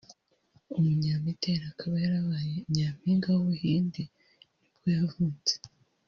umunyamideli akaba yarabaye nyampinga w’ubuhinde w’ nibwo yavutse